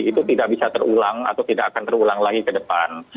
itu tidak bisa terulang atau tidak akan terulang lagi ke depan